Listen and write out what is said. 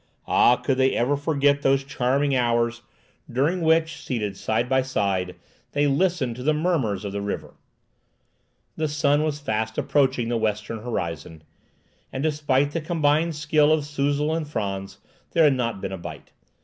Ah, could they ever forget those charming hours, during which, seated side by side, they listened to the murmurs of the river? the young girl took the line The sun was fast approaching the western horizon, and despite the combined skill of Suzel and Frantz, there had not been a bite.